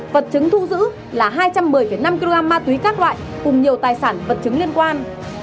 vật chứng thu giữ là hai trăm một mươi năm kg ma túy các loại cùng nhiều tài sản vật chứng liên quan